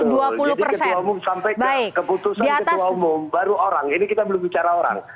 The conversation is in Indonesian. jadi ketua umum sampai keputusan ketua umum baru orang ini kita belum bicara orang